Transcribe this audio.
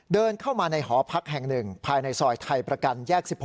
เดินเข้ามาในหอพักแห่ง๑ภายในซอยไทยประกันแยก๑๖